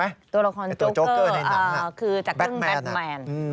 ตัวละครโจ๊เกอร์คือจากเรื่องแบทแมน